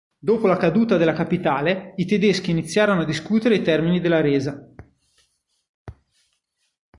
Dopo la caduta della capitale, i tedeschi iniziarono a discutere i termini della resa.